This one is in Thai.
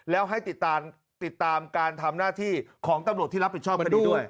แล้วให้ติดตามติดตามการทำหน้าที่ของตำรวจที่รับผิดชอบคดีด้วย